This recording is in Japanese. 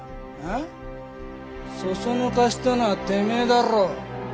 そそのかしたのはてめえだろう。